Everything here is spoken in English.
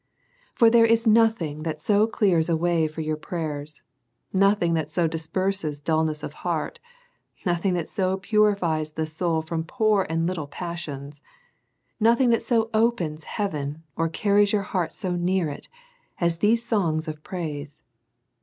For there is nothing that so clears a way for your prayers, nothing that so disperses dulness of heart, nothing that so purifies the soul from poor and little passions, nothing that so opens heaven, or carries your heart so near it, as these songs of praise.